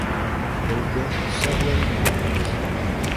They built several models.